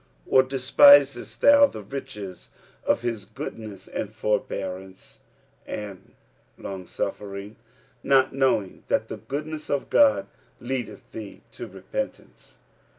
45:002:004 Or despisest thou the riches of his goodness and forbearance and longsuffering; not knowing that the goodness of God leadeth thee to repentance?